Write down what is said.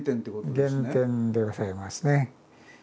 原点でございますね。